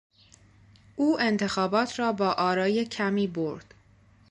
او انتخابات را با آرای کمی برد.